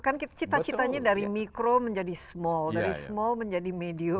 kan cita citanya dari mikro menjadi small dari small menjadi medium